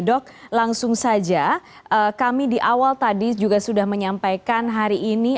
dok langsung saja kami di awal tadi juga sudah menyampaikan hari ini